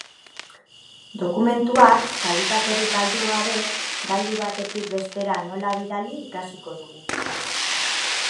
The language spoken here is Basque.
Dokumentuak, kalitaterik galdu gabe, gailu batetik bestera nola bidali ikasiko dugu.